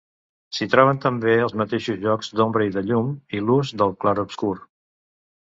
S'hi troben també els mateixos jocs d'ombra i de llum i l'ús del clarobscur.